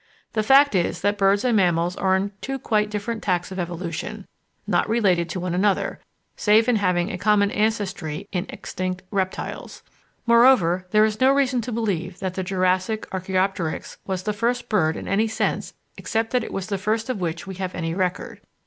The fact is that birds and mammals are on two quite different tacks of evolution, not related to one another, save in having a common ancestry in extinct reptiles. Moreover, there is no reason to believe that the Jurassic Archæopteryx was the first bird in any sense except that it is the first of which we have any record.